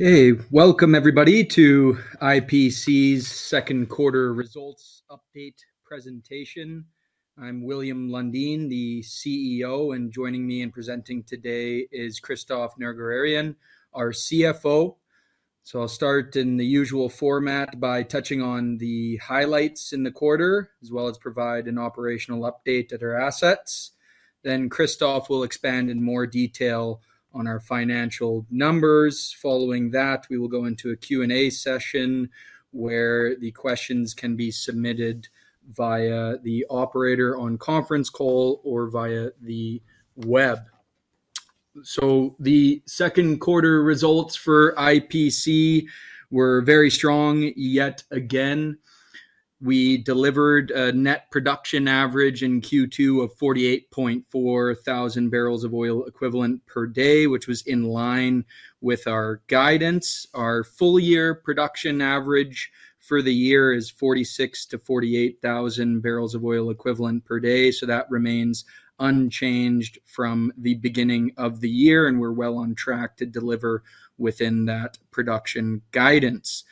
Hey, welcome everybody to IPC's second quarter results update presentation. I'm William Lundin, the CEO, and joining me in presenting today is Christophe Nerguararian, our CFO. So I'll start in the usual format by touching on the highlights in the quarter, as well as provide an operational update at our assets. Then Christophe will expand in more detail on our financial numbers. Following that, we will go into a Q&A session, where the questions can be submitted via the operator on conference call or via the web. So the second quarter results for IPC were very strong, yet again. We delivered a net production average in Q2 of 48.4 thousand barrels of oil equivalent per day, which was in line with our guidance. Our full year production average for the year is 46,000-48,000 barrels of oil equivalent per day, so that remains unchanged from the beginning of the year, and we're well on track to deliver within that production guidance.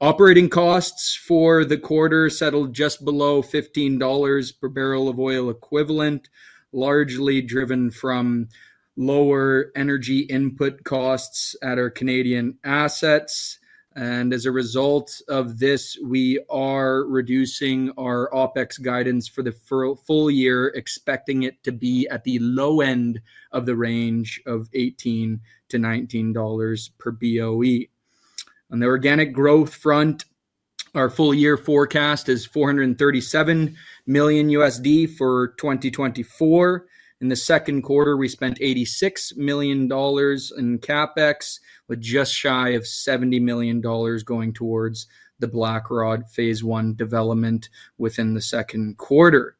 Operating costs for the quarter settled just below 15 dollars per barrel of oil equivalent, largely driven from lower energy input costs at our Canadian assets. And as a result of this, we are reducing our OpEx guidance for the full year, expecting it to be at the low end of the range of $18-$19 per BOE. On the organic growth front, our full year forecast is $437 million for 2024. In the second quarter, we spent 86 million dollars in CapEx, with just shy of 70 million dollars going towards the Blackrod phase I development within the second quarter.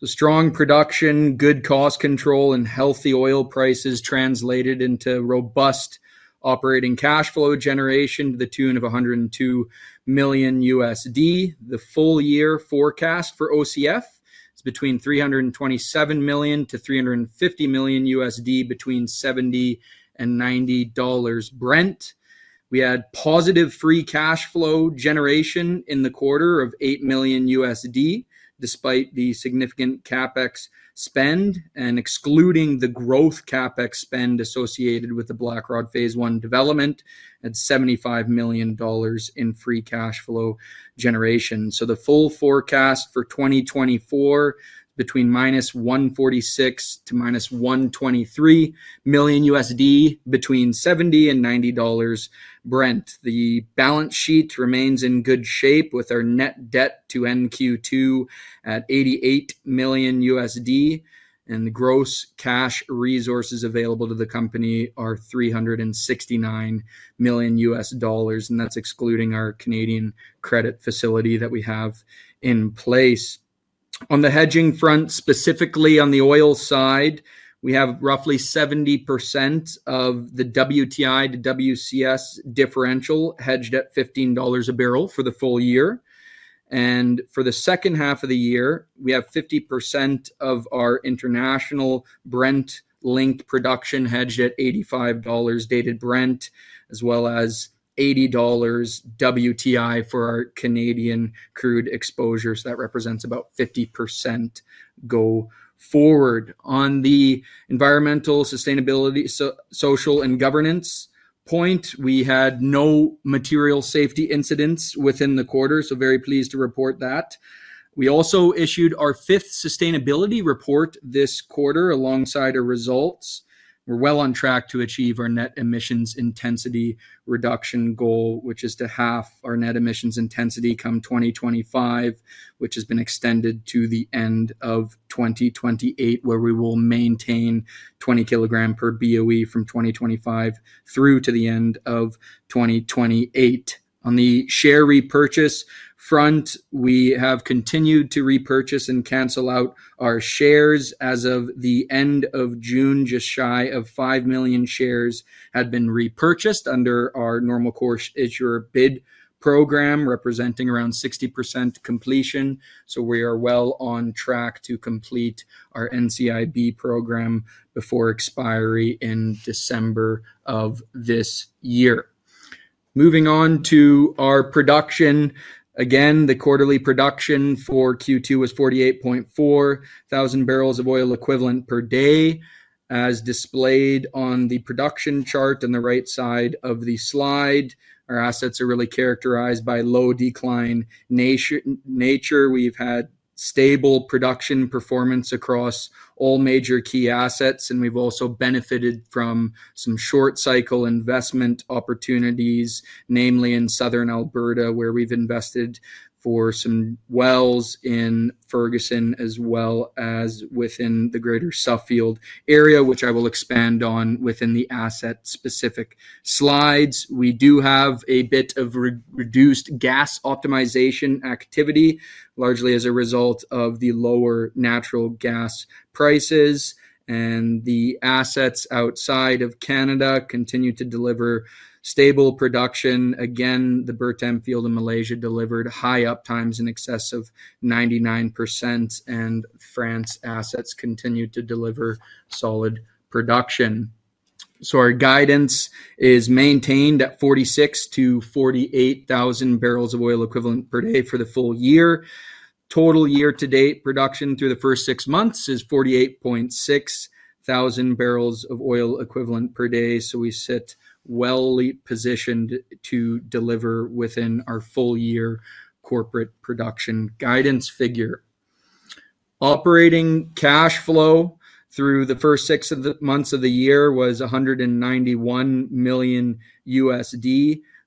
The strong production, good cost control, and healthy oil prices translated into robust operating cash flow generation to the tune of $102 million. The full year forecast for OCF is between $327 million-$350 million, between $70 and $90 Brent. We had positive free cash flow generation in the quarter of $8 million, despite the significant CapEx spend. And excluding the growth CapEx spend associated with the Blackrod phase I development at $75 million in free cash flow generation. So the full forecast for 2024, between -$146 million-$123 million, between $70 and $90 Brent. The balance sheet remains in good shape, with our net debt at Q2 at $88 million, and the gross cash resources available to the company are $369 million, and that's excluding our Canadian credit facility that we have in place. On the hedging front, specifically on the oil side, we have roughly 70% of the WTI to WCS differential, hedged at $15 a barrel for the full year. And for the second half of the year, we have 50% of our international Brent link production hedged at $85 dated Brent, as well as $80 WTI for our Canadian crude exposures. That represents about 50% go forward. On the environmental, sustainability, social, and governance point, we had no material safety incidents within the quarter, so very pleased to report that. We also issued our fifth sustainability report this quarter alongside our results. We're well on track to achieve our net emissions intensity reduction goal, which is to half our net emissions intensity come 2025, which has been extended to the end of 2028, where we will maintain 20 kg per BOE from 2025 through to the end of 2028. On the share repurchase front, we have continued to repurchase and cancel out our shares. As of the end of June, just shy of 5 million shares had been repurchased under our normal course issuer bid program, representing around 60% completion. So we are well on track to complete our NCIB program before expiry in December of this year. Moving on to our production. Again, the quarterly production for Q2 was 48.4 thousand barrels of oil equivalent per day, as displayed on the production chart on the right side of the slide. Our assets are really characterized by low decline nature. We've had stable production performance across all major key assets, and we've also benefited from some short cycle investment opportunities, namely in Southern Alberta, where we've invested for some wells in Ferguson, as well as within the greater Suffield area, which I will expand on within the asset-specific slides. We do have a bit of reduced gas optimization activity, largely as a result of the lower natural gas prices, and the assets outside of Canada continue to deliver stable production. Again, the Bertam field in Malaysia delivered high up times in excess of 99%, and France assets continued to deliver solid production. So our guidance is maintained at 46,000-48,000 barrels of oil equivalent per day for the full year. Total year to date production through the first six months is 48.6 thousand barrels of oil equivalent per day. So we sit well positioned to deliver within our full year corporate production guidance figure. Operating cash flow through the first six of the months of the year was $191 million,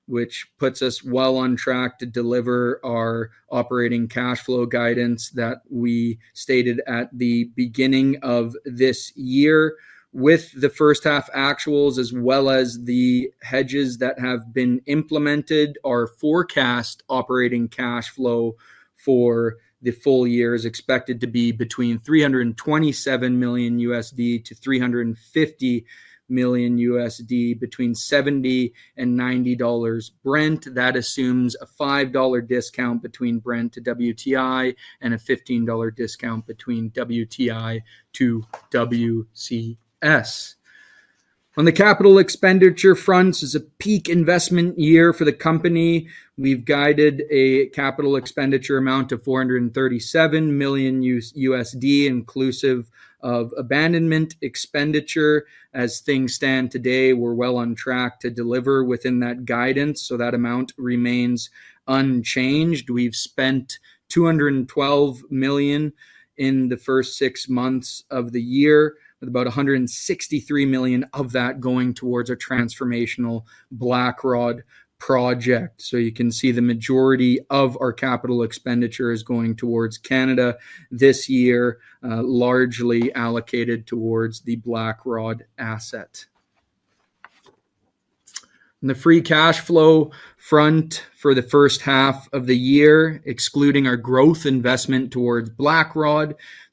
which puts us well on track to deliver our operating cash flow guidance that we stated at the beginning of this year. With the first half actuals, as well as the hedges that have been implemented, our forecast operating cash flow for the full year is expected to be between $327 million-$350 million, between $70 and $90 Brent. That assumes a $5 discount between Brent to WTI and a $15 discount between WTI to WCS. On the capital expenditure front, this is a peak investment year for the company. We've guided a capital expenditure amount of $437 million, inclusive of abandonment expenditure. As things stand today, we're well on track to deliver within that guidance, so that amount remains unchanged. We've spent $212 million in the first six months of the year, with about $163 million of that going towards our transformational Blackrod project. So you can see the majority of our capital expenditure is going towards Canada this year, largely allocated towards the Blackrod asset. On the free cash flow front, for the first half of the year, excluding our growth investment towards Blackrod,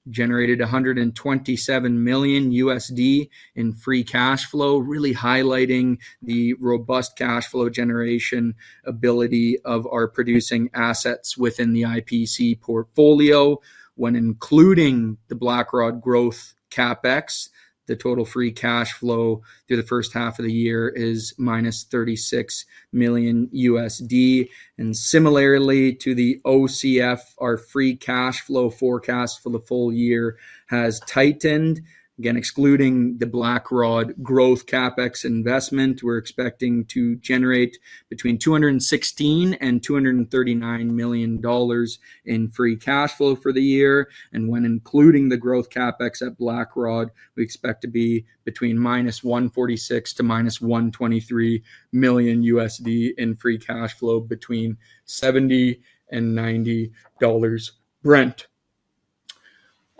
generated $127 million in free cash flow, really highlighting the robust cash flow generation ability of our producing assets within the IPC portfolio. When including the Blackrod growth CapEx, the total free cash flow through the first half of the year is -$36 million. And similarly to the OCF, our free cash flow forecast for the full year has tightened. Again, excluding the Blackrod growth CapEx investment, we're expecting to generate between $216 million and $239 million in free cash flow for the year. And when including the growth CapEx at Blackrod, we expect to be between -$146 million to -$123 million in free cash flow, between $70 and $90 Brent.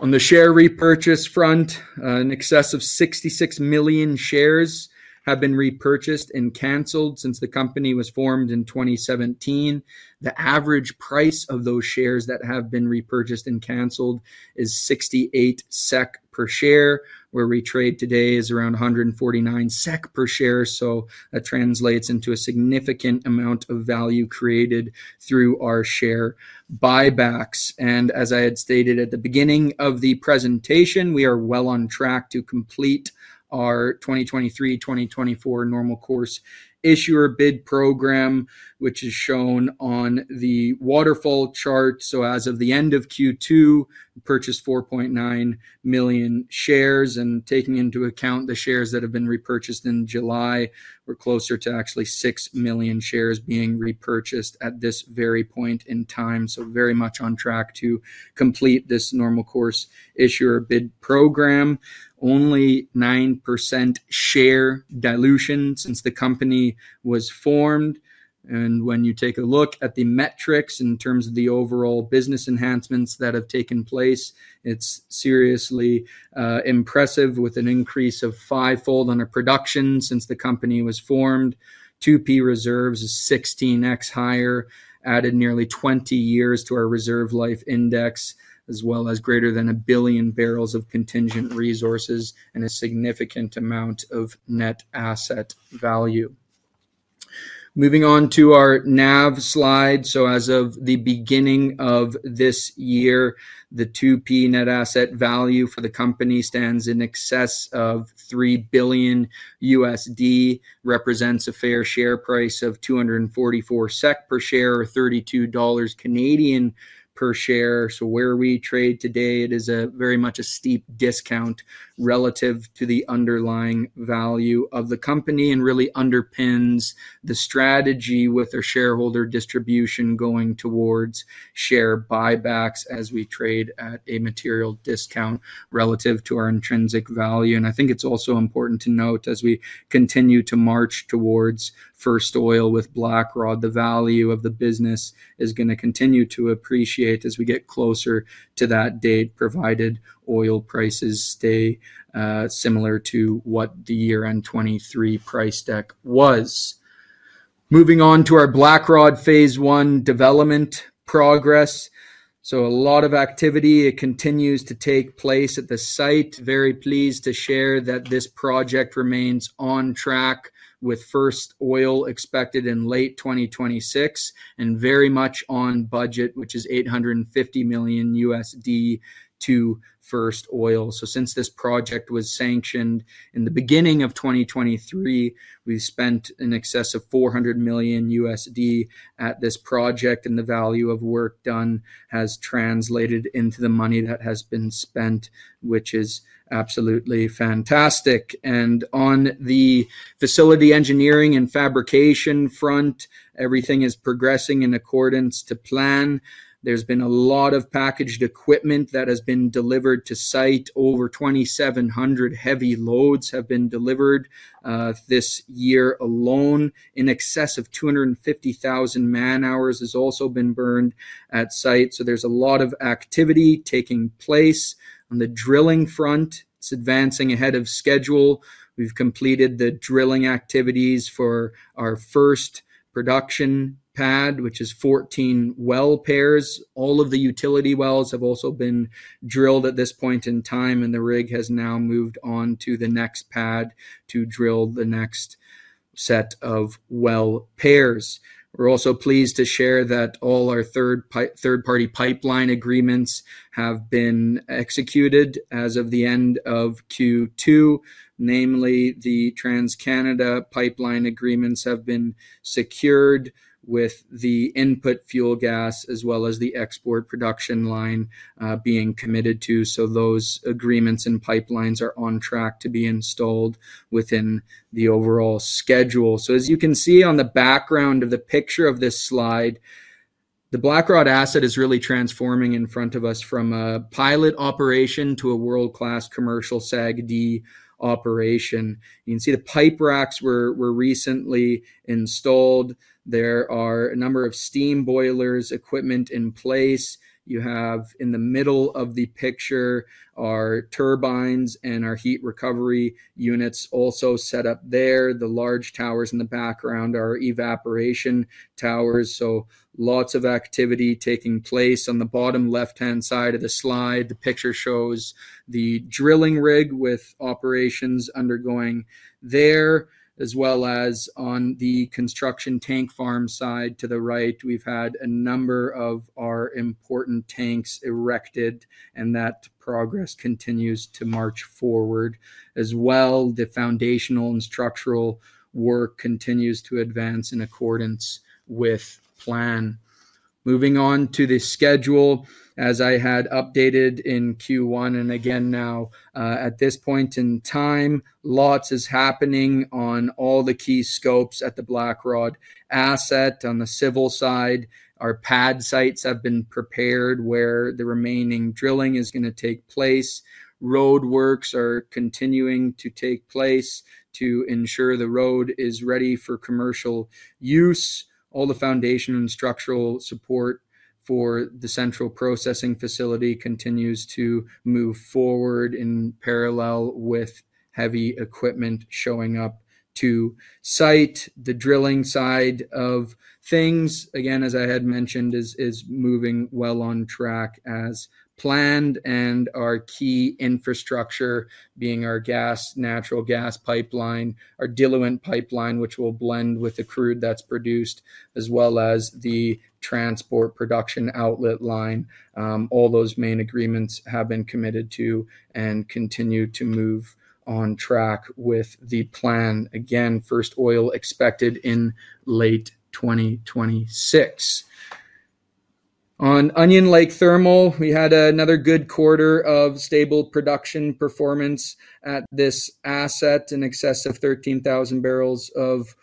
On the share repurchase front, in excess of 66 million shares have been repurchased and canceled since the company was formed in 2017. The average price of those shares that have been repurchased and canceled is 68 SEK per share, where we trade today is around 149 SEK per share. So that translates into a significant amount of value created through our share buybacks. As I had stated at the beginning of the presentation, we are well on track to complete our 2023, 2024 Normal Course Issuer Bid program, which is shown on the waterfall chart. So as of the end of Q2, we purchased 4.9 million shares, and taking into account the shares that have been repurchased in July, we're closer to actually 6 million shares being repurchased at this very point in time. So very much on track to complete this Normal Course Issuer Bid program. Only 9% share dilution since the company was formed. When you take a look at the metrics in terms of the overall business enhancements that have taken place, it's seriously impressive, with an increase of fivefold on our production since the company was formed. 2P reserves is 16x higher, added nearly 20 years to our reserve life index, as well as greater than 1 billion barrels of contingent resources and a significant amount of net asset value. Moving on to our NAV slide. So as of the beginning of this year, the 2P net asset value for the company stands in excess of $3 billion, represents a fair share price of 244 SEK per share, or 32 Canadian dollars per share. So where we trade today, it is very much a steep discount relative to the underlying value of the company and really underpins the strategy with our shareholder distribution going towards share buybacks as we trade at a material discount relative to our intrinsic value. And I think it's also important to note, as we continue to march towards first oil with Blackrod, the value of the business is gonna continue to appreciate as we get closer to that date, provided oil prices stay similar to what the year-end 2023 price deck was. Moving on to our Blackrod phase I development progress. So a lot of activity. It continues to take place at the site. Very pleased to share that this project remains on track, with first oil expected in late 2026, and very much on budget, which is $850 million to first oil. So since this project was sanctioned in the beginning of 2023, we've spent in excess of $400 million at this project, and the value of work done has translated into the money that has been spent, which is absolutely fantastic. And on the facility engineering and fabrication front, everything is progressing in accordance to plan. There's been a lot of packaged equipment that has been delivered to site. Over 2,700 heavy loads have been delivered this year alone. In excess of 250,000 man-hours has also been burned at site. So there's a lot of activity taking place. On the drilling front, it's advancing ahead of schedule. We've completed the drilling activities for our first production pad, which is 14 well pairs. All of the utility wells have also been drilled at this point in time, and the rig has now moved on to the next pad to drill the next set of well pairs. We're also pleased to share that all our third-party pipeline agreements have been executed as of the end of Q2, namely, the TransCanada pipeline agreements have been secured with the input fuel gas as well as the export production line being committed to. So those agreements and pipelines are on track to be installed within the overall schedule. So as you can see on the background of the picture of this slide, the Blackrod asset is really transforming in front of us from a pilot operation to a world-class commercial SAGD operation. You can see the pipe racks were recently installed. There are a number of steam boilers, equipment in place. You have, in the middle of the picture, our turbines and our heat recovery units also set up there. The large towers in the background are evaporation towers, so lots of activity taking place. On the bottom left-hand side of the slide, the picture shows the drilling rig with operations undergoing there, as well as on the construction tank farm side. To the right, we've had a number of our important tanks erected, and that progress continues to march forward. As well, the foundational and structural work continues to advance in accordance with plan. Moving on to the schedule, as I had updated in Q1 and again now, at this point in time, lots is happening on all the key scopes at the Blackrod asset. On the civil side, our pad sites have been prepared, where the remaining drilling is gonna take place. Roadworks are continuing to take place to ensure the road is ready for commercial use. All the foundation and structural support for the central processing facility continues to move forward in parallel with heavy equipment showing up to site. The drilling side of things, again, as I had mentioned, is moving well on track as planned, and our key infrastructure, being our gas, natural gas pipeline, our diluent pipeline, which will blend with the crude that's produced, as well as the transport production outlet line, all those main agreements have been committed to and continue to move on track with the plan. Again, first oil expected in late 2026. On Onion Lake Thermal, we had another good quarter of stable production performance at this asset, in excess of 13,000 barrels of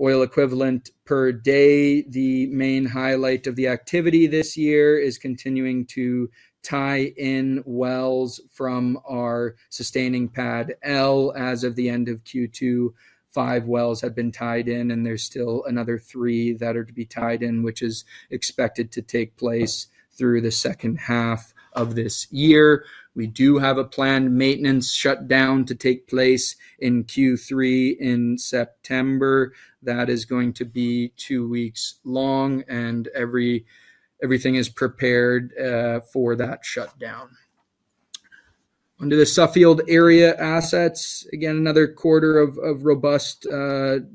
oil equivalent per day. The main highlight of the activity this year is continuing to tie in wells from our sustaining pad L. As of the end of Q2, five wells have been tied in, and there's still another three that are to be tied in, which is expected to take place through the second half of this year. We do have a planned maintenance shutdown to take place in Q3 in September. That is going to be two weeks long, and everything is prepared for that shutdown. On to the Suffield area assets. Again, another quarter of robust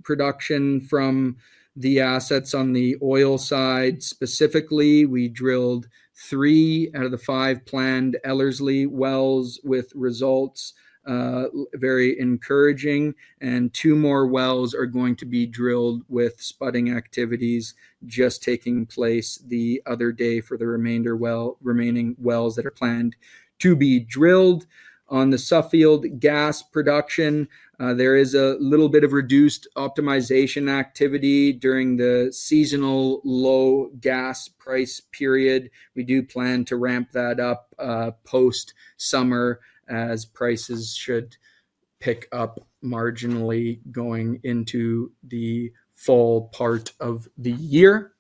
production from the assets. On the oil side specifically, we drilled three out of the five planned Ellerslie wells, with results very encouraging, and two more wells are going to be drilled, with spudding activities just taking place the other day for the remaining wells that are planned to be drilled. On the Suffield gas production, there is a little bit of reduced optimization activity during the seasonal low gas price period. We do plan to ramp that up post-summer, as prices should pick up marginally going into the fall part of the year.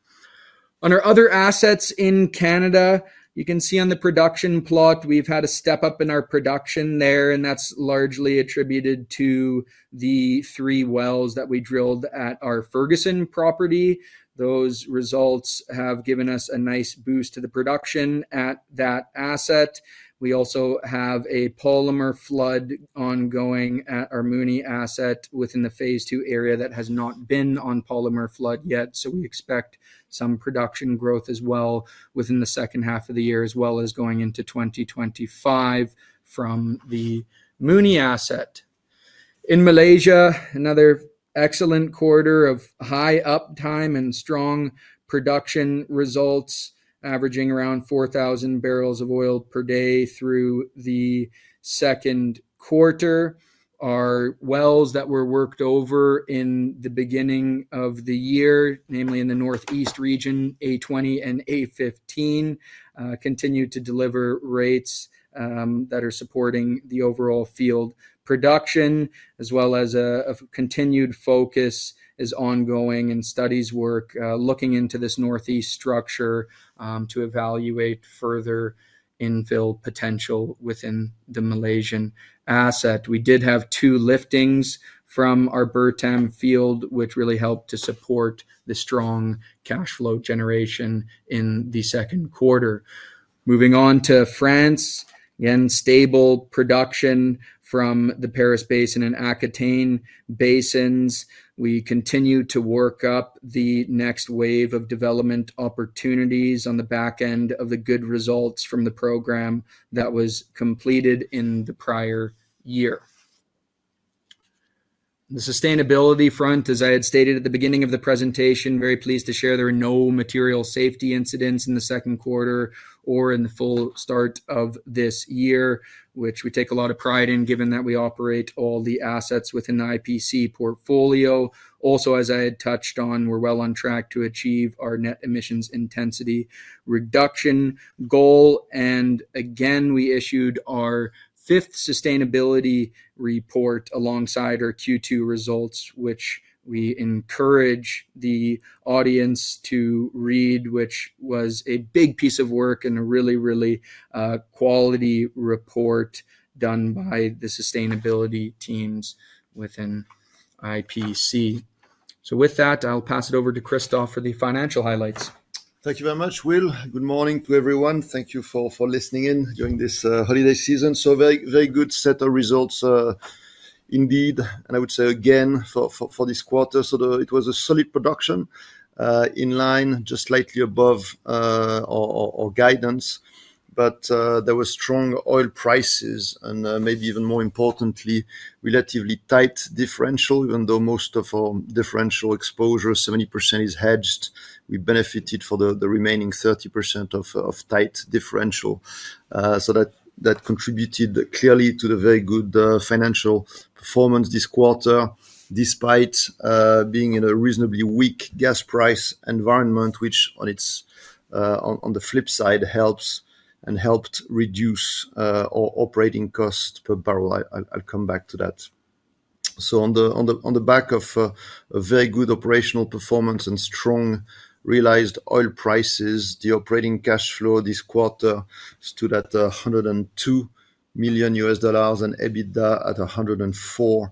On our other assets in Canada, you can see on the production plot, we've had a step up in our production there, and that's largely attributed to the three wells that we drilled at our Ferguson property. Those results have given us a nice boost to the production at that asset. We also have a polymer flood ongoing at our Mooney asset within the phase II area that has not been on polymer flood yet, so we expect some production growth as well within the second half of the year, as well as going into 2025 from the Mooney asset. In Malaysia, another excellent quarter of high uptime and strong production results, averaging around 4,000 barrels of oil per day through the second quarter. Our wells that were worked over in the beginning of the year, namely in the northeast region, A-20 and A-15, continued to deliver rates that are supporting the overall field production, as well as a continued focus is ongoing and studies work looking into this northeast structure to evaluate further infill potential within the Malaysian asset. We did have two liftings from our Bertam field, which really helped to support the strong cash flow generation in the second quarter. Moving on to France, again, stable production from the Paris Basin and Aquitaine Basins. We continue to work up the next wave of development opportunities on the back end of the good results from the program that was completed in the prior year. The sustainability front, as I had stated at the beginning of the presentation, very pleased to share there are no material safety incidents in the second quarter or in the full start of this year, which we take a lot of pride in, given that we operate all the assets within the IPC portfolio. Also, as I had touched on, we're well on track to achieve our net emissions intensity reduction goal. And again, we issued our fifth sustainability report alongside our Q2 results, which we encourage the audience to read, which was a big piece of work and a really, really, quality report done by the sustainability teams within IPC. So with that, I'll pass it over to Christophe for the financial highlights. Thank you very much, Will. Good morning to everyone. Thank you for listening in during this holiday season. So very, very good set of results, indeed, and I would say again, for this quarter. So it was a solid production in line, just slightly above our guidance, but there was strong oil prices and maybe even more importantly, relatively tight differential, even though most of our differential exposure, 70% is hedged. We benefited for the remaining 30% of tight differential. So that contributed clearly to the very good financial performance this quarter, despite being in a reasonably weak gas price environment, which on its... on the flip side, helps and helped reduce our operating cost per barrel. I'll come back to that. So on the back of a very good operational performance and strong realized oil prices, the operating cash flow this quarter stood at $102 million, and EBITDA at $104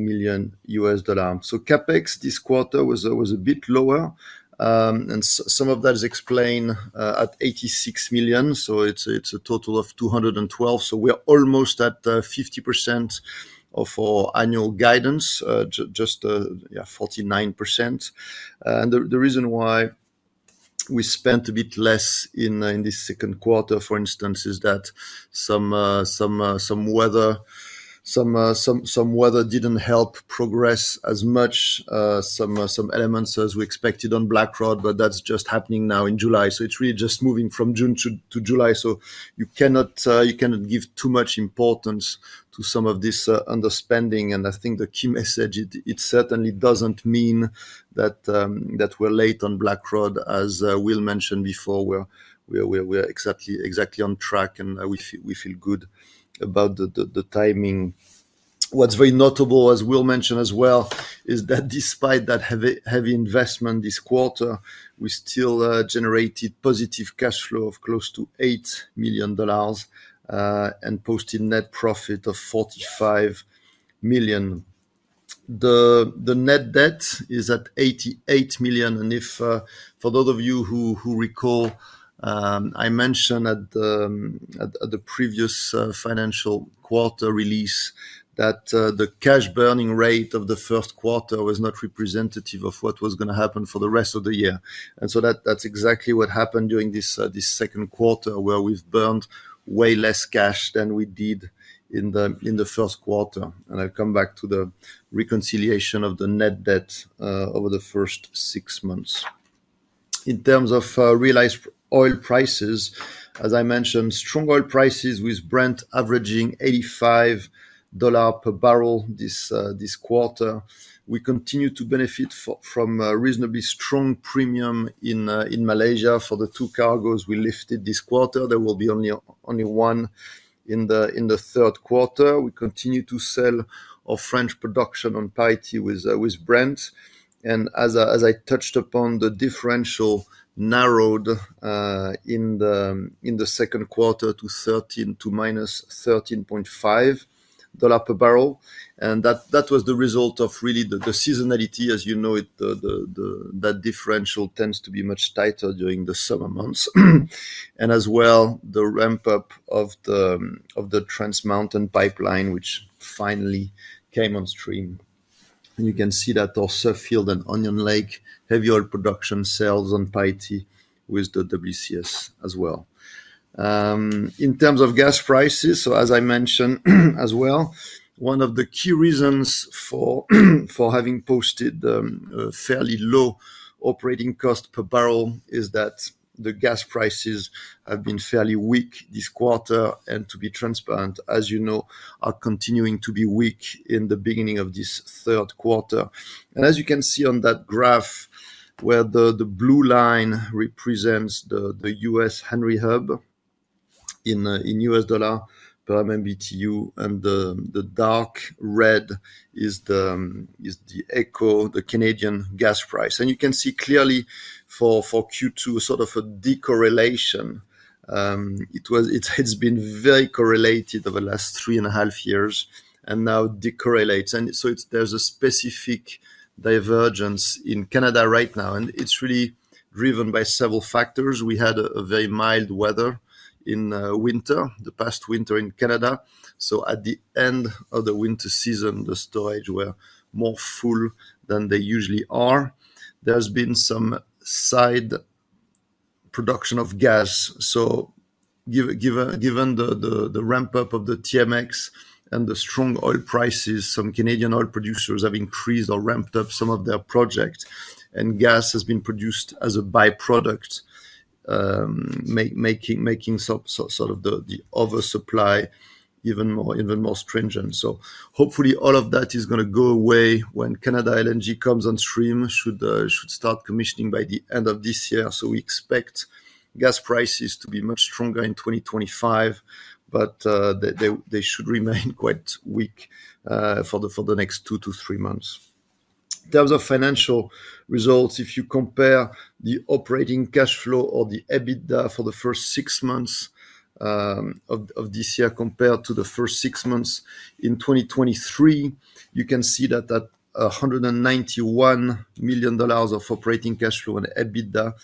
million. So CapEx this quarter was a bit lower, and some of that is explained at $86 million, so it's a total of $212 million. So we are almost at 50% of our annual guidance, just yeah, 49%. And the reason why we spent a bit less in this second quarter, for instance, is that some weather didn't help progress as much, some elements as we expected on Blackrod, but that's just happening now in July. So it's really just moving from June to July. So you cannot give too much importance to some of this underspending, and I think the key message, it certainly doesn't mean that we're late on Blackrod. As Will mentioned before, we're exactly on track, and we feel good about the timing. What's very notable, as Will mentioned as well, is that despite that heavy investment this quarter, we still generated positive cash flow of close to $8 million and posted net profit of $45 million. The net debt is at $88 million, and if for those of you who recall, I mentioned at the previous financial quarter release, that the cash burning rate of the first quarter was not representative of what was gonna happen for the rest of the year. And so that's exactly what happened during this second quarter, where we've burned way less cash than we did in the first quarter. And I'll come back to the reconciliation of the net debt over the first six months. In terms of realized oil prices, as I mentioned, strong oil prices, with Brent averaging $85 per barrel this quarter. We continue to benefit from a reasonably strong premium in Malaysia for the two cargoes we lifted this quarter. There will be only one in the third quarter. We continue to sell our French production on parity with Brent. And as I touched upon, the differential narrowed in the second quarter to -$13.5 per barrel, and that was the result of really the seasonality, as you know, that differential tends to be much tighter during the summer months. And as well, the ramp-up of the Trans Mountain pipeline, which finally came on stream. You can see that also Suffield and Onion Lake, heavy oil production sales on with the WCS as well. In terms of gas prices, so as I mentioned, as well, one of the key reasons for, for having posted a fairly low operating cost per barrel is that the gas prices have been fairly weak this quarter, and to be transparent, as you know, are continuing to be weak in the beginning of this third quarter. As you can see on that graph, where the blue line represents the U.S. Henry Hub in U.S. dollars per MMBtu, and the dark red is the AECO, the Canadian gas price. You can see clearly for Q2, sort of a decorrelation. It was, it has been very correlated over the last 3.5 years and now decorrelates. So it's, there's a specific divergence in Canada right now, and it's really driven by several factors. We had a very mild weather in winter, the past winter in Canada. So at the end of the winter season, the storage were more full than they usually are. There's been some side production of gas, so given the ramp-up of the TMX and the strong oil prices, some Canadian oil producers have increased or ramped up some of their projects, and gas has been produced as a by-product, making so sort of the oversupply even more stringent. So hopefully, all of that is gonna go away when Canada LNG comes on stream, should, should start commissioning by the end of this year. So we expect gas prices to be much stronger in 2025, but, they should remain quite weak, for the next two to three months. In terms of financial results, if you compare the operating cash flow or the EBITDA for the first six months, of this year compared to the first six months in 2023, you can see that $191 million of operating cash flow and EBITDA,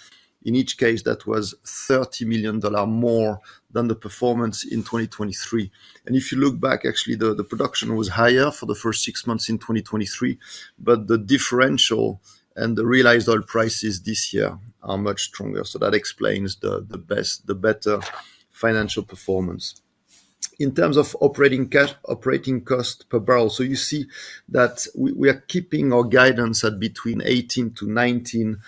in each case, that was $30 million more than the performance in 2023. If you look back, actually, the production was higher for the first six months in 2023, but the differential and the realized oil prices this year are much stronger. So that explains the better financial performance. In terms of operating cash, operating cost per barrel, so you see that we are keeping our guidance at between 18-19,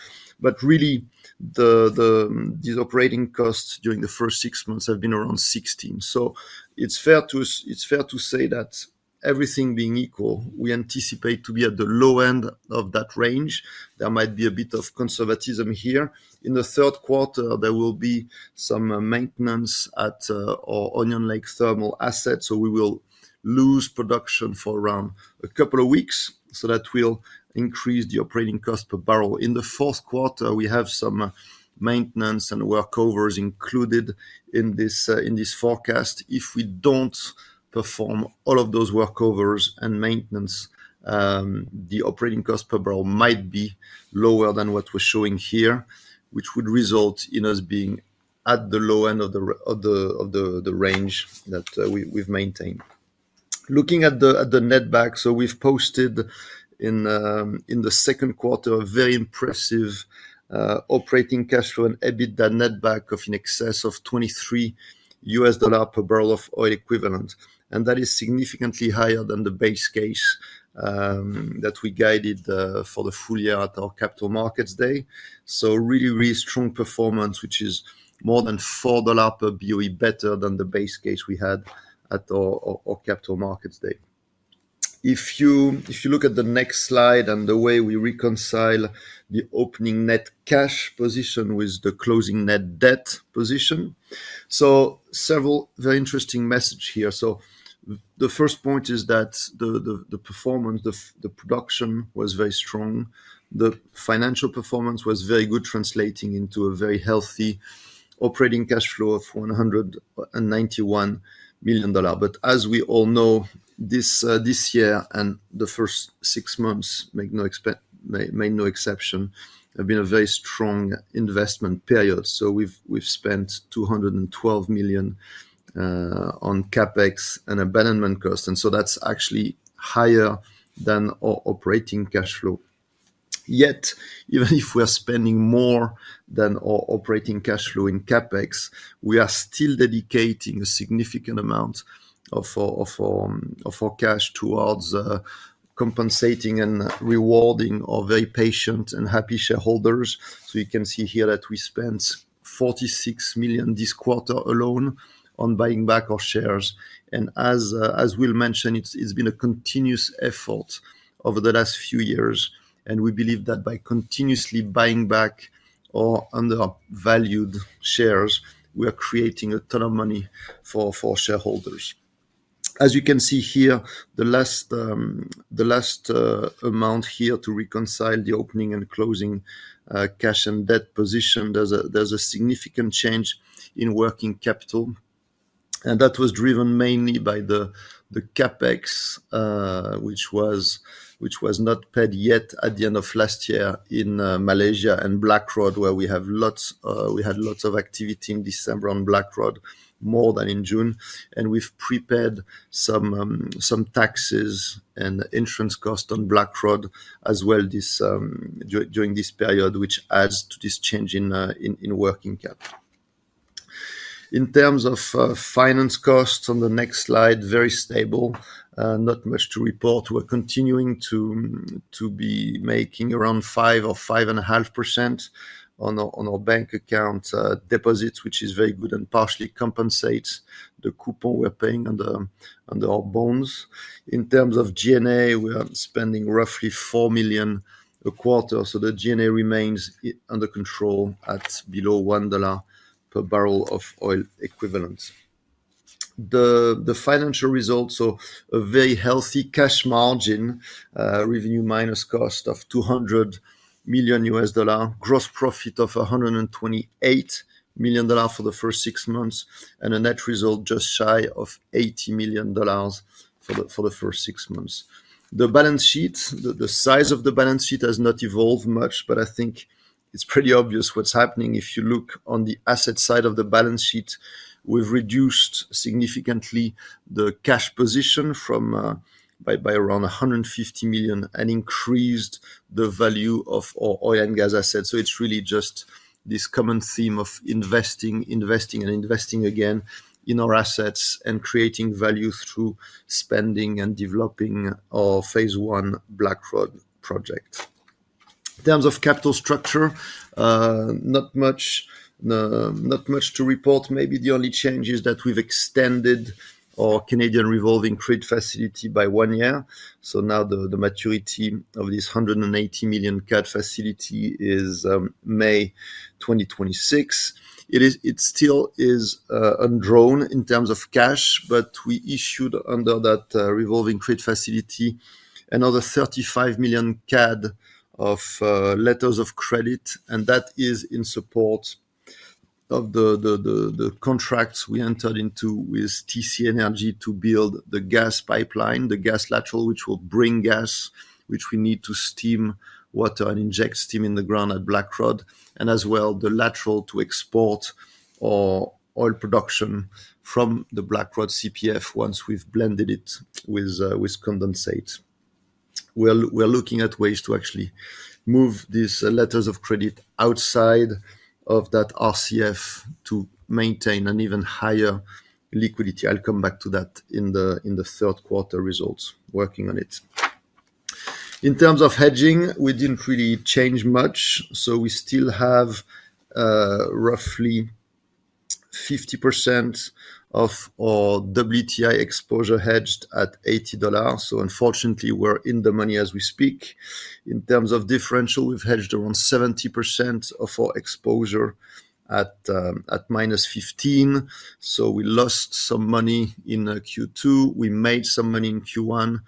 but really the these operating costs during the first six months have been around 16. So it's fair to say that everything being equal, we anticipate to be at the low end of that range. There might be a bit of conservatism here. In the third quarter, there will be some maintenance at our Onion Lake Thermal asset, so we will lose production for around a couple of weeks, so that will increase the operating cost per barrel. In the fourth quarter, we have some maintenance and workovers included in this forecast. If we don't perform all of those workovers and maintenance, the operating cost per barrel might be lower than what we're showing here, which would result in us being at the low end of the range that we've maintained. Looking at the netback, so we've posted in the second quarter a very impressive operating cash flow and EBITDA netback of in excess of $23 per barrel of oil equivalent. That is significantly higher than the base case that we guided for the full year at our Capital Markets Day. So really, really strong performance, which is more than $4 per BOE better than the base case we had at our Capital Markets Day. If you look at the next slide and the way we reconcile the opening net cash position with the closing net debt position. So several very interesting message here. So the first point is that the performance, the production was very strong. The financial performance was very good, translating into a very healthy operating cash flow of $191 million. But as we all know, this year and the first six months made no exception, have been a very strong investment period. So we've spent $212 million on CapEx and abandonment costs, and so that's actually higher than our operating cash flow. Yet, even if we are spending more than our operating cash flow in CapEx, we are still dedicating a significant amount of our cash towards compensating and rewarding our very patient and happy shareholders. So you can see here that we spent $46 million this quarter alone on buying back our shares. And as we mentioned, it's been a continuous effort over the last few years, and we believe that by continuously buying back our undervalued shares, we are creating a ton of money for shareholders. As you can see here, the last amount here to reconcile the opening and closing cash and debt position, there's a significant change in working capital, and that was driven mainly by the CapEx, which was not paid yet at the end of last year in Malaysia and Blackrod, where we have lots, we had lots of activity in December on Blackrod, more than in June. And we've prepaid some taxes and insurance costs on Blackrod as well, during this period, which adds to this change in working capital. In terms of finance costs on the next slide, very stable, not much to report. We're continuing to be making around 5% or 5.5% on our bank account deposits, which is very good and partially compensates the coupon we're paying on our bonds. In terms of G&A, we are spending roughly $4 million a quarter, so the G&A remains under control at below $1 per barrel of oil equivalent. The financial results are a very healthy cash margin, revenue minus cost of $200 million, gross profit of $128 million for the first six months, and a net result just shy of $80 million for the first six months. The balance sheet, the size of the balance sheet has not evolved much, but I think it's pretty obvious what's happening. If you look on the asset side of the balance sheet, we've reduced significantly the cash position by around $150 million, and increased the value of our oil and gas assets. So it's really just this common theme of investing, investing, and investing again in our assets and creating value through spending and developing our phase I Blackrod project. In terms of capital structure, not much, not much to report. Maybe the only change is that we've extended our Canadian revolving credit facility by one year, so now the maturity of this 180 million CAD facility is May 2026. It is still undrawn in terms of cash, but we issued under that revolving credit facility another 35 million CAD of letters of credit, and that is in support of the contracts we entered into with TC Energy to build the gas pipeline, the gas lateral, which will bring gas, which we need to steam water and inject steam in the ground at Blackrod, and as well, the lateral to export our oil production from the Blackrod CPF once we've blended it with condensate. We're looking at ways to actually move these letters of credit outside of that RCF to maintain an even higher liquidity. I'll come back to that in the third quarter results. Working on it. In terms of hedging, we didn't really change much, so we still have roughly 50% of our WTI exposure hedged at $80. So unfortunately, we're in the money as we speak. In terms of differential, we've hedged around 70% of our exposure at minus fifteen, so we lost some money in Q2. We made some money in Q1,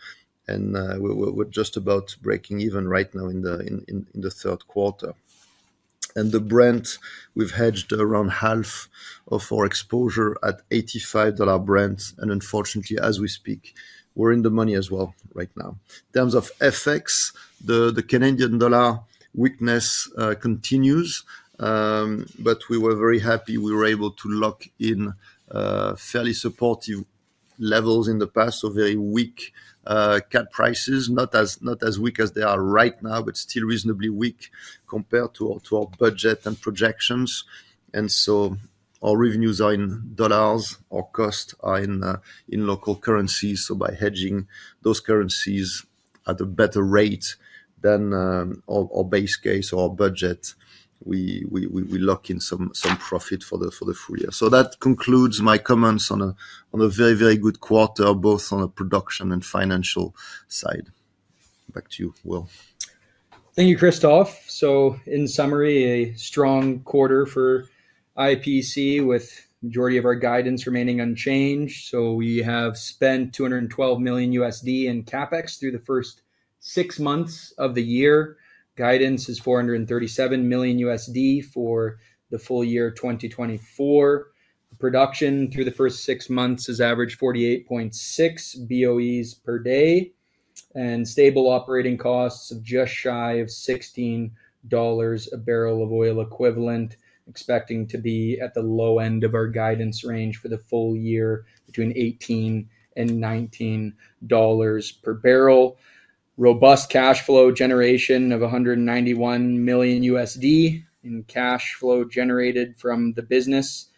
and we're just about breaking even right now in the third quarter. And the Brent, we've hedged around half of our exposure at $85 Brent, and unfortunately, as we speak, we're in the money as well right now. In terms of FX, the Canadian dollar weakness continues, but we were very happy we were able to lock in fairly supportive levels in the past, so very weak CAD prices. Not as weak as they are right now, but still reasonably weak compared to our budget and projections. So our revenues are in dollars, our costs are in local currency. By hedging those currencies at a better rate than our base case or our budget, we lock in some profit for the full year. That concludes my comments on a very good quarter, both on a production and financial side. Back to you, Will. Thank you, Christophe. So in summary, a strong quarter for IPC, with majority of our guidance remaining unchanged. So we have spent $212 million in CapEx through the first six months of the year. Guidance is $437 million for the full year 2024. Production through the first six months has averaged 48.6 BOE per day, and stable operating costs of just shy of $16 a barrel of oil equivalent, expecting to be at the low end of our guidance range for the full year, between $18 and $19 per barrel. Robust cash flow generation of $191 million in cash flow generated from the business,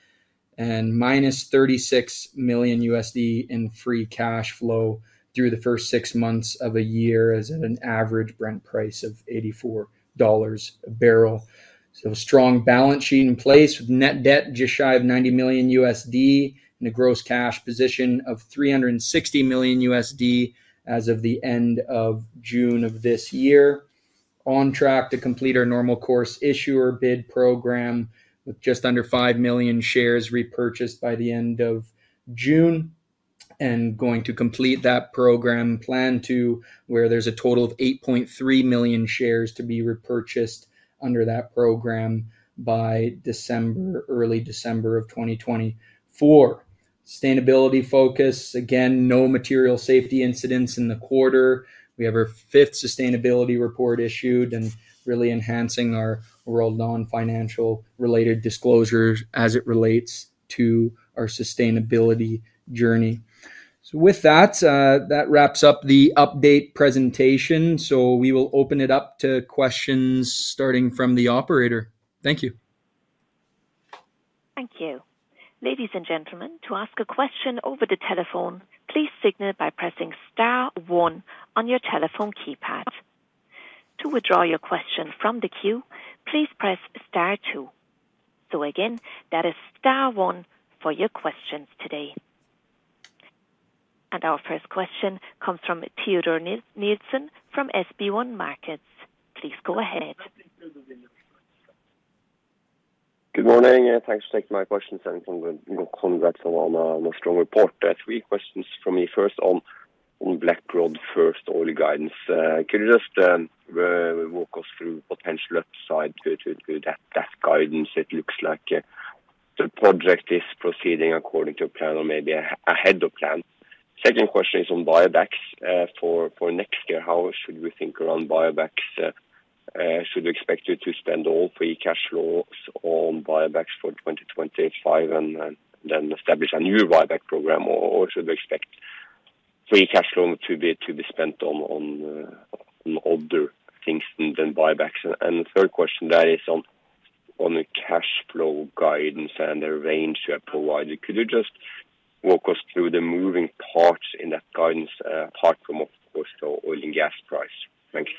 and -$36 million in free cash flow through the first six months of the year, as at an average Brent price of $84 a barrel. So strong balance sheet in place, with net debt just shy of $90 million and a gross cash position of $360 million as of the end of June of this year. On track to complete our Normal Course Issuer Bid program, with just under 5 million shares repurchased by the end of June, and going to complete that program, plan to, where there's a total of 8.3 million shares to be repurchased under that program by December, early December of 2024. Sustainability focus, again, no material safety incidents in the quarter. We have our fifth sustainability report issued and really enhancing our overall non-financial related disclosures as it relates to our sustainability journey. So with that, that wraps up the update presentation, so we will open it up to questions starting from the operator. Thank you. Thank you. Ladies and gentlemen, to ask a question over the telephone, please signal by pressing star one on your telephone keypad. To withdraw your question from the queue, please press star two. So again, that is star one for your questions today. Our first question comes from Teodor Nilsen from SB1 Markets. Please go ahead. Good morning, and thanks for taking my questions, and congrats on a strong report. Three questions from me. First, on Blackrod first oil guidance. Could you just walk us through potential upside to that guidance? It looks like the project is proceeding according to plan or maybe ahead of plan. Second question is on buybacks. For next year, how should we think around buybacks? Should we expect you to spend all free cash flows on buybacks for 2025 and then establish a new buyback program? Or should we expect free cash flow to be spent on other things than buybacks? And the third question is on the cash flow guidance and the range you have provided. Could you just walk us through the moving parts in that guidance, apart from, of course, the oil and gas price? Thank you.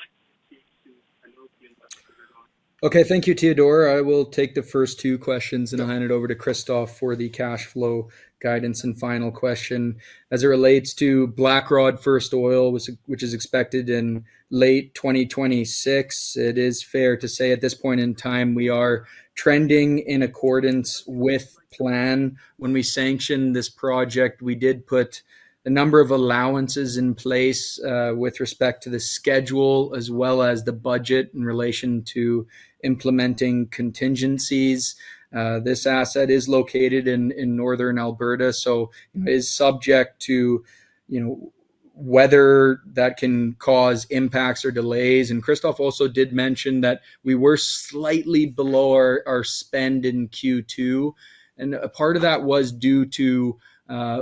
Okay. Thank you, Teodor. I will take the first two questions, and I'll hand it over to Christophe for the cash flow guidance and final question. As it relates to Blackrod first oil, which is expected in late 2026, it is fair to say at this point in time, we are trending in accordance with plan. When we sanctioned this project, we did put a number of allowances in place with respect to the schedule, as well as the budget in relation to implementing contingencies. This asset is located in Northern Alberta, so it is subject to, you know, weather that can cause impacts or delays. And Christophe also did mention that we were slightly below our spend in Q2, and a part of that was due to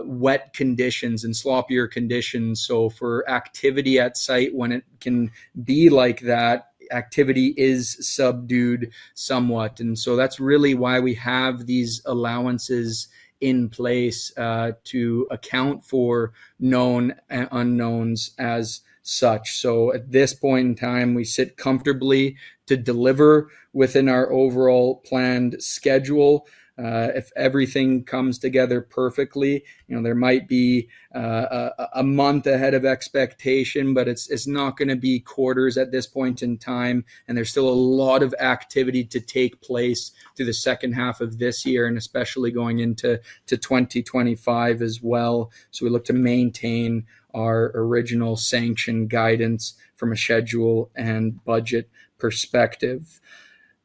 wet conditions and sloppier conditions. So for activity at site, when it can be like that, activity is subdued somewhat. And so that's really why we have these allowances in place to account for knowns and unknowns as such. So at this point in time, we sit comfortably to deliver within our overall planned schedule. If everything comes together perfectly, you know, there might be a month ahead of expectation, but it's not gonna be quarters at this point in time, and there's still a lot of activity to take place through the second half of this year, and especially going into 2025 as well. So we look to maintain our original sanction guidance from a schedule and budget perspective.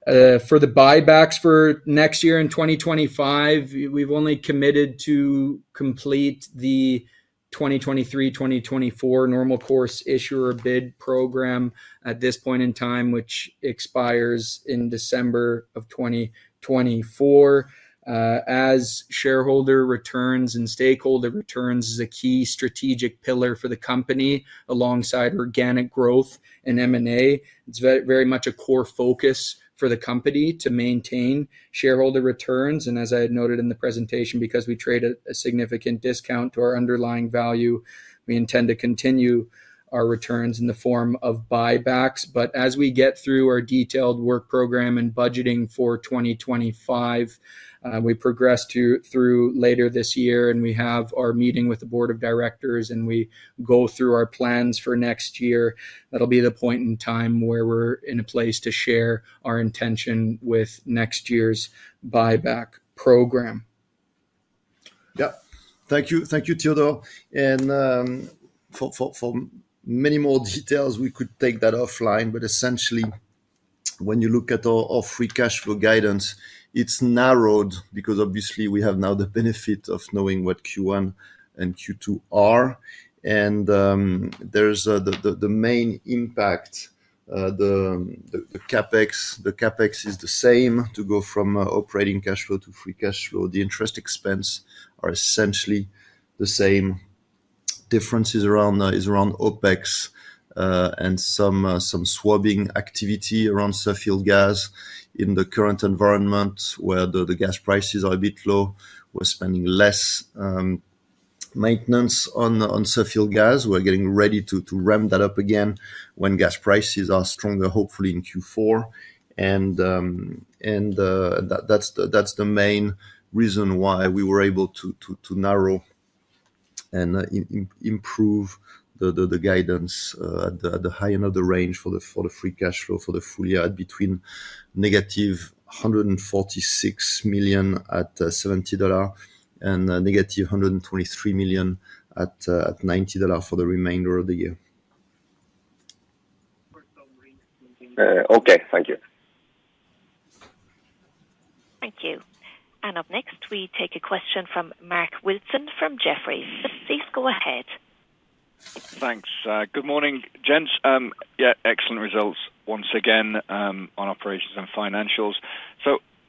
For the buybacks for next year in 2025, we've only committed to complete the 2023, 2024 Normal Course Issuer Bid program at this point in time, which expires in December of 2024. As shareholder returns and stakeholder returns is a key strategic pillar for the company, alongside organic growth and M&A. It's very much a core focus for the company to maintain shareholder returns. And as I had noted in the presentation, because we trade at a significant discount to our underlying value, we intend to continue our returns in the form of buybacks. But as we get through our detailed work program and budgeting for 2025, we progress through later this year, and we have our meeting with the board of directors, and we go through our plans for next year. That'll be the point in time where we're in a place to share our intention with next year's buyback program. Yeah. Thank you. Thank you, Teodor. And for many more details, we could take that offline. But essentially, when you look at our free cash flow guidance, it's narrowed because obviously we have now the benefit of knowing what Q1 and Q2 are. And there's the main impact, the CapEx. The CapEx is the same to go from operating cash flow to free cash flow. The interest expense are essentially the same. Difference is around OpEx and some swabbing activity around Suffield gas. In the current environment, where the gas prices are a bit low, we're spending less maintenance on Suffield gas. We're getting ready to ramp that up again when gas prices are stronger, hopefully in Q4. That's the main reason why we were able to narrow and improve the guidance at the high end of the range for the free cash flow for the full year, between -$146 million at $70 and -$123 million at $90 for the remainder of the year. Okay, thank you. Thank you. Up next, we take a question from Mark Wilson from Jefferies. Please go ahead. Thanks. Good morning, gents. Yeah, excellent results once again on operations and financials.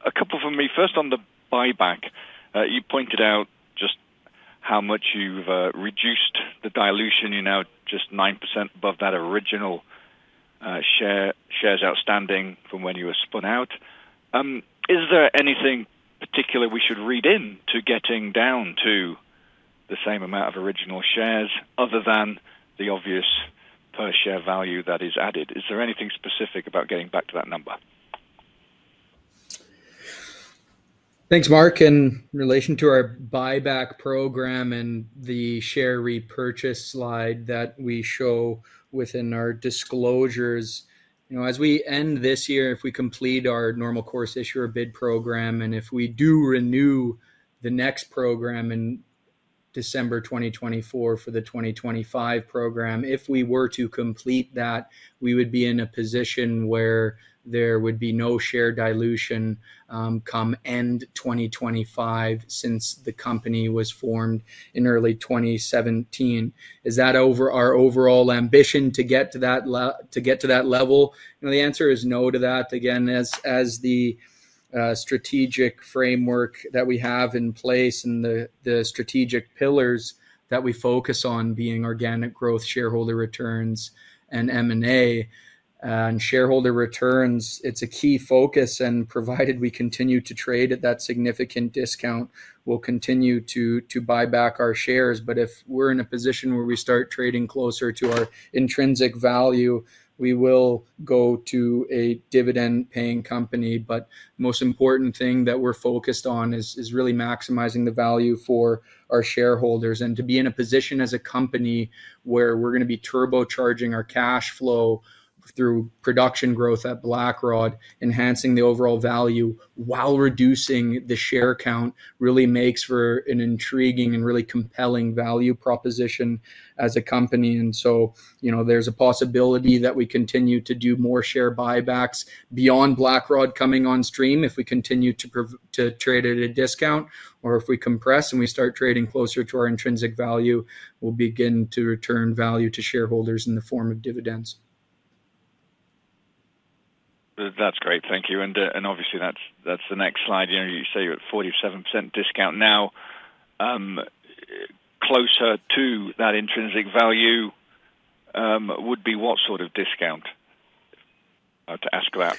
A couple from me. First, on the buyback, you pointed out just how much you've reduced the dilution. You're now just 9% above that original shares outstanding from when you were spun out. Is there anything particular we should read into getting down to the same amount of original shares other than the obvious per share value that is added? Is there anything specific about getting back to that number? Thanks, Mark. In relation to our buyback program and the share repurchase slide that we show within our disclosures, you know, as we end this year, if we complete our Normal Course Issuer Bid program, and if we do renew the next program in December 2024 for the 2025 program, if we were to complete that, we would be in a position where there would be no share dilution, come end 2025, since the company was formed in early 2017. Is that over our overall ambition to get to that level? You know, the answer is no to that. Again, as the strategic framework that we have in place and the strategic pillars that we focus on being organic growth, shareholder returns, and M&A, and shareholder returns, it's a key focus, and provided we continue to trade at that significant discount, we'll continue to buy back our shares. But if we're in a position where we start trading closer to our intrinsic value, we will go to a dividend-paying company. But most important thing that we're focused on is really maximizing the value for our shareholders and to be in a position as a company where we're gonna be turbocharging our cash flow through production growth at Blackrod, enhancing the overall value while reducing the share count, really makes for an intriguing and really compelling value proposition as a company. So, you know, there's a possibility that we continue to do more share buybacks beyond Blackrod coming on stream if we continue to trade at a discount, or if we compress, and we start trading closer to our intrinsic value, we'll begin to return value to shareholders in the form of dividends. That's great. Thank you. And obviously, that's the next slide. You know, you say you're at 47% discount now. Closer to that intrinsic value, would be what sort of discount to ask about?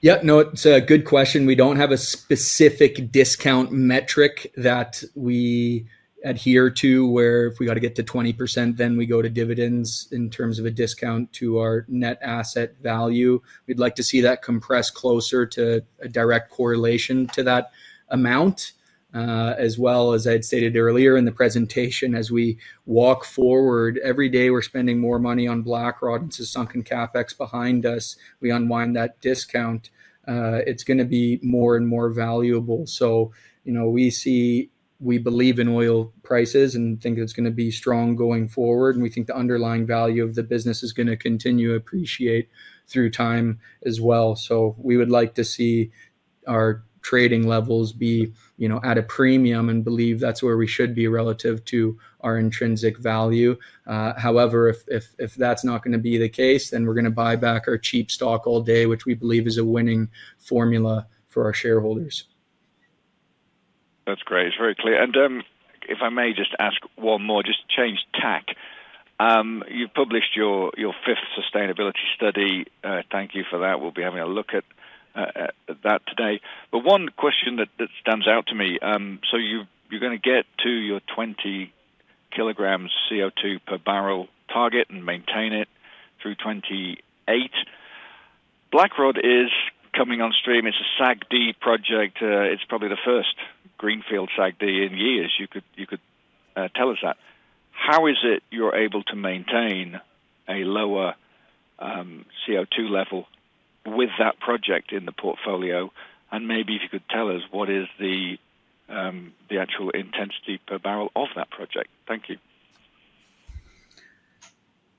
Yeah, no, it's a good question. We don't have a specific discount metric that we adhere to, where if we got to get to 20%, then we go to dividends in terms of a discount to our net asset value. We'd like to see that compress closer to a direct correlation to that amount. As well, as I'd stated earlier in the presentation, as we walk forward, every day, we're spending more money on Blackrod into sunken CapEx behind us. We unwind that discount. It's gonna be more and more valuable. So, you know, we see, we believe in oil prices and think it's gonna be strong going forward, and we think the underlying value of the business is gonna continue to appreciate through time as well. We would like to see our trading levels be, you know, at a premium and believe that's where we should be relative to our intrinsic value. However, if that's not gonna be the case, then we're gonna buy back our cheap stock all day, which we believe is a winning formula for our shareholders. That's great. It's very clear. If I may just ask one more, just change tack. You've published your fifth sustainability study. Thank you for that. We'll be having a look at that today. One question that stands out to me, so you're gonna get to your 20 kg CO2 per barrel target and maintain it through 2028. Blackrod is coming on stream. It's a SAGD project. It's probably the first greenfield SAGD in years. You could tell us that. How is it you're able to maintain a lower CO2 level with that project in the portfolio? And maybe if you could tell us what is the actual intensity per barrel of that project. Thank you.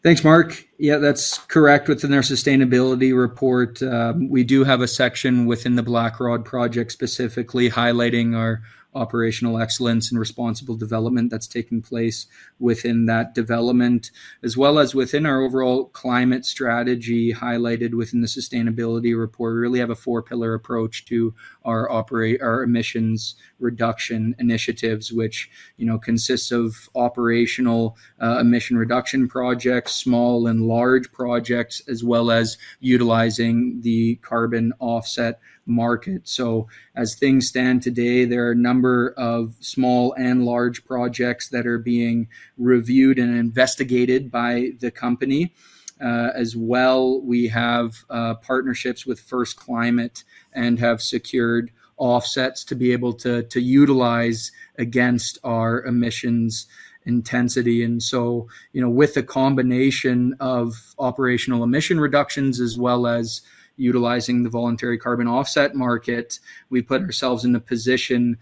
Thanks, Mark. Yeah, that's correct. Within our sustainability report, we do have a section within the Blackrod project, specifically highlighting our operational excellence and responsible development that's taking place within that development. As well as within our overall climate strategy, highlighted within the sustainability report, we really have a four-pillar approach to our emissions reduction initiatives, which, you know, consists of operational emission reduction projects, small and large projects, as well as utilizing the carbon offset market. So as things stand today, there are a number of small and large projects that are being reviewed and investigated by the company. As well, we have partnerships with First Climate and have secured offsets to be able to utilize against our emissions intensity. And so, you know, with a combination of operational emission reductions, as well as utilizing the voluntary carbon offset market, we put ourselves in a position,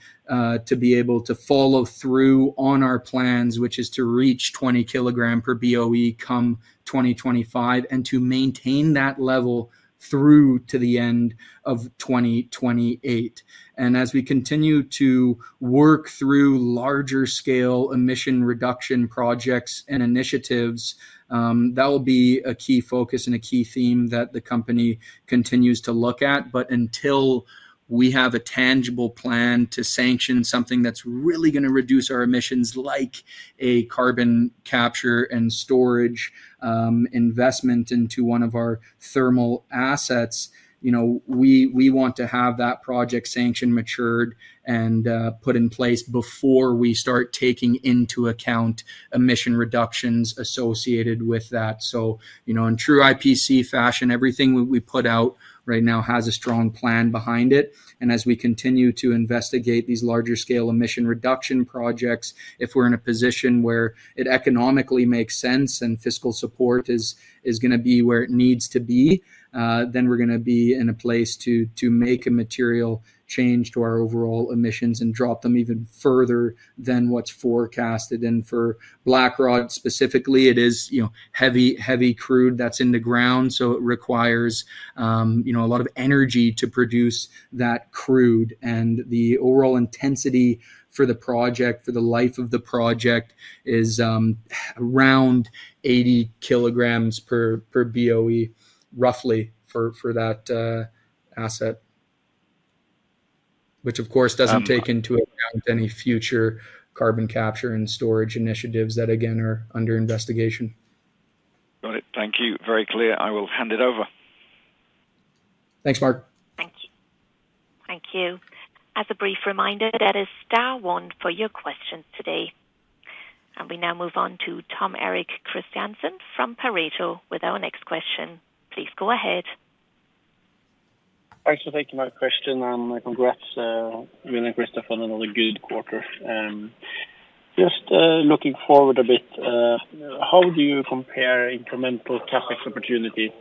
to be able to follow through on our plans, which is to reach 20 kg per BOE come 2025, and to maintain that level through to the end of 2028. And as we continue to work through larger scale emission reduction projects and initiatives, that will be a key focus and a key theme that the company continues to look at. But until we have a tangible plan to sanction something that's really gonna reduce our emissions, like a carbon capture and storage investment into one of our thermal assets, you know, we want to have that project sanction matured and put in place before we start taking into account emission reductions associated with that. So, you know, in true IPC fashion, everything we put out right now has a strong plan behind it. As we continue to investigate these larger scale emission reduction projects, if we're in a position where it economically makes sense and fiscal support is gonna be where it needs to be, then we're gonna be in a place to make a material change to our overall emissions and drop them even further than what's forecasted. For Blackrod specifically, it is, you know, heavy, heavy crude that's in the ground, so it requires, you know, a lot of energy to produce that crude. The overall intensity for the project, for the life of the project is around 80 kg per BOE, roughly, for that asset. Which, of course, doesn't take into account any future carbon capture and storage initiatives that, again, are under investigation. Got it. Thank you. Very clear. I will hand it over. Thanks, Mark. Thank you. Thank you. As a brief reminder, that is star one for your questions today. And we now move on to Tom Erik Kristiansen from Pareto with our next question. Please go ahead. Thanks for taking my question, and congrats, Will and Christophe, on another good quarter. Just, looking forward a bit, how do you compare incremental CapEx opportunities,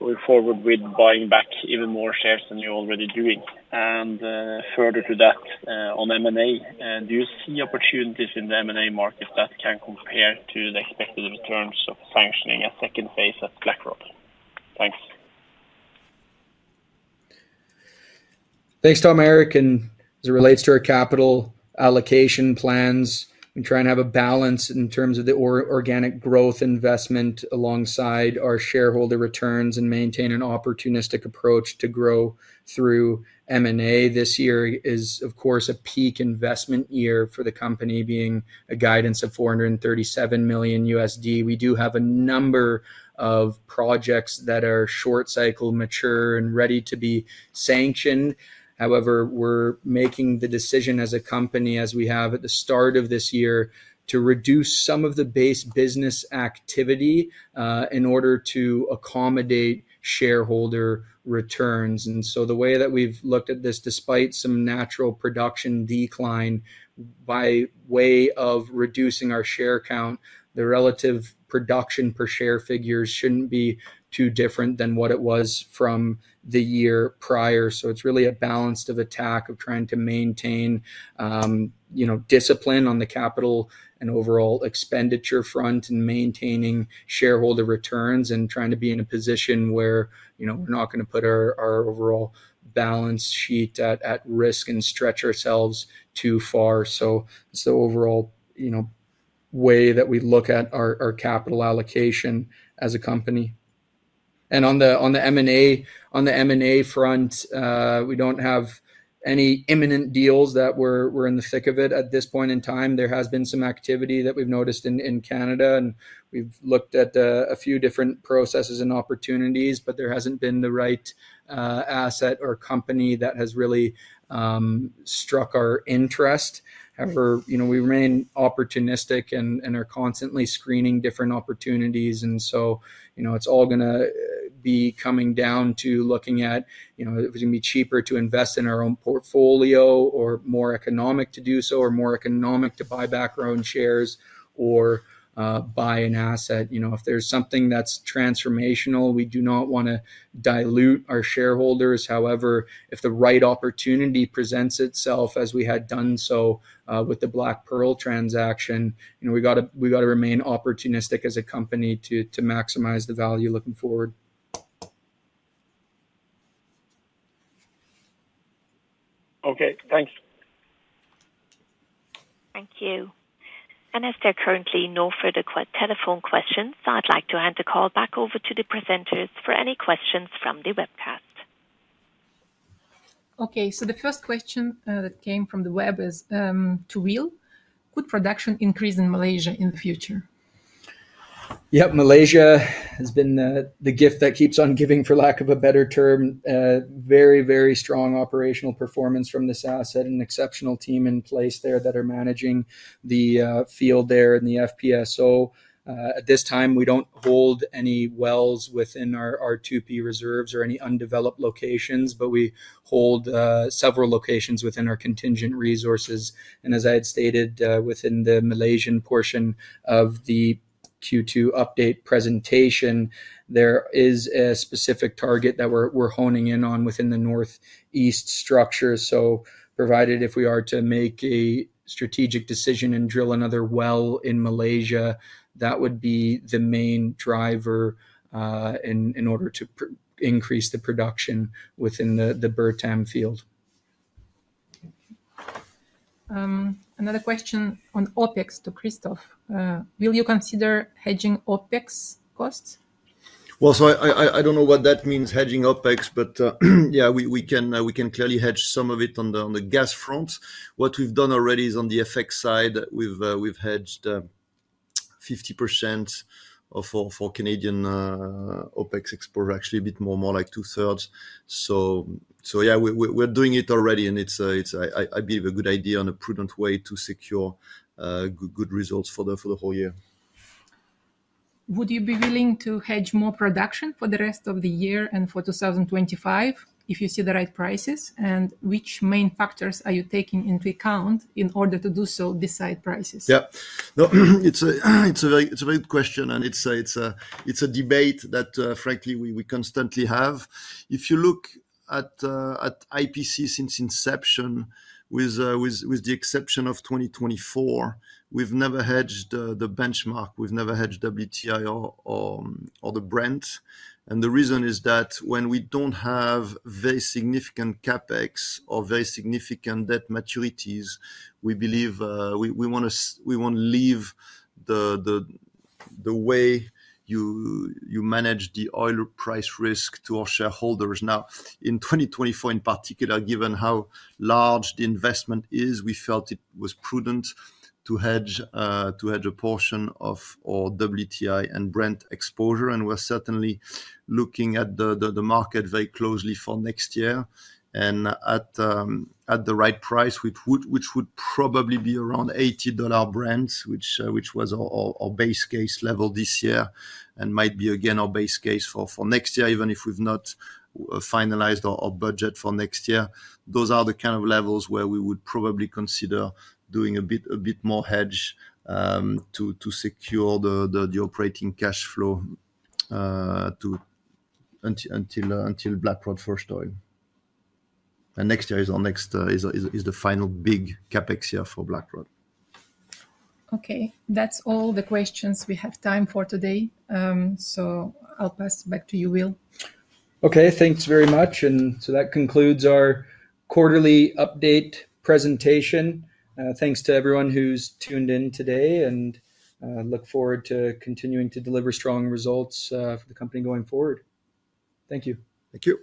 going forward with buying back even more shares than you're already doing? And, further to that, on M&A, do you see opportunities in the M&A market that can compare to the expected returns of sanctioning a second phase at Blackrod? Thanks. Thanks, Tom Erik. As it relates to our capital allocation plans, we try and have a balance in terms of the organic growth investment alongside our shareholder returns and maintain an opportunistic approach to grow through M&A. This year is, of course, a peak investment year for the company, being a guidance of $437 million. We do have a number of projects that are short cycle, mature, and ready to be sanctioned. However, we're making the decision as a company, as we have at the start of this year, to reduce some of the base business activity in order to accommodate shareholder returns. And so the way that we've looked at this, despite some natural production decline by way of reducing our share count, the relative production per share figures shouldn't be too different than what it was from the year prior. So it's really a balanced approach of trying to maintain, you know, discipline on the capital and overall expenditure front and maintaining shareholder returns and trying to be in a position where, you know, we're not gonna put our overall balance sheet at risk and stretch ourselves too far. So it's the overall, you know, way that we look at our capital allocation as a company. And on the M&A front, we don't have any imminent deals that we're in the thick of at this point in time. There has been some activity that we've noticed in Canada, and we've looked at a few different processes and opportunities, but there hasn't been the right asset or company that has really struck our interest. However, you know, we remain opportunistic and are constantly screening different opportunities, and so, you know, it's all gonna be coming down to looking at, you know, it would be cheaper to invest in our own portfolio or more economic to do so, or more economic to buy back our own shares or buy an asset. You know, if there's something that's transformational, we do not wanna dilute our shareholders. However, if the right opportunity presents itself as we had done so with the BlackPearl transaction, you know, we gotta remain opportunistic as a company to maximize the value looking forward. Okay, thanks. Thank you. As there are currently no further telephone questions, I'd like to hand the call back over to the presenters for any questions from the webcast. Okay. So the first question that came from the web is to Will: Would production increase in Malaysia in the future? Yep. Malaysia has been the, the gift that keeps on giving, for lack of a better term. Very, very strong operational performance from this asset. An exceptional team in place there that are managing the, field there and the FPSO. At this time, we don't hold any wells within our, our 2P reserves or any undeveloped locations, but we hold, several locations within our contingent resources. And as I had stated, within the Malaysian portion of the Q2 update presentation, there is a specific target that we're, we're honing in on within the northeast structure. So provided if we are to make a strategic decision and drill another well in Malaysia, that would be the main driver, in, in order to increase the production within the, the Bertam field. Another question on OpEx to Christophe. Will you consider hedging OpEx costs? Well, so I don't know what that means, hedging OpEx, but yeah, we can clearly hedge some of it on the gas front. What we've done already is on the FX side, we've hedged 50% for Canadian OpEx, actually a bit more, more like 2/3. So yeah, we're doing it already, and it's a good idea and a prudent way to secure good results for the whole year. Would you be willing to hedge more production for the rest of the year and for 2025, if you see the right prices? Which main factors are you taking into account in order to do so besides prices? Yeah. No, it's a very great question, and it's a debate that, frankly, we constantly have. If you look at IPC since inception, with the exception of 2024, we've never hedged the benchmark. We've never hedged WTI or the Brent. And the reason is that when we don't have very significant CapEx or very significant debt maturities, we believe we wanna leave the way you manage the oil price risk to our shareholders. Now, in 2024, in particular, given how large the investment is, we felt it was prudent to hedge a portion of our WTI and Brent exposure, and we're certainly looking at the market very closely for next year. And at the right price, which would probably be around $80 Brent, which was our base case level this year, and might be again our base case for next year, even if we've not finalized our budget for next year. Those are the kind of levels where we would probably consider doing a bit more hedge to secure the operating cash flow until Blackrod first oil. And next year is our next, the final big CapEx year for Blackrod. Okay. That's all the questions we have time for today. So I'll pass it back to you, Will. Okay, thanks very much. And so that concludes our quarterly update presentation. Thanks to everyone who's tuned in today, and look forward to continuing to deliver strong results for the company going forward. Thank you. Thank you.